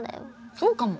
そうかも！